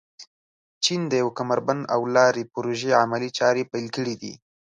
چین د یو کمربند او لارې پروژې عملي چارې پيل کړي دي.